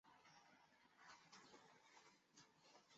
标准版收录了十八首曲目。